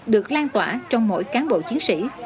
được lan tỏa trong mỗi cán bộ chiến sĩ